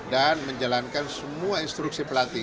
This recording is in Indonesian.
dan menjalankan semua instruksi pelatih